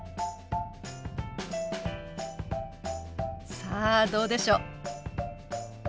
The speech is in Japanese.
さあどうでしょう？